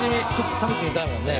食べてみたいもんね。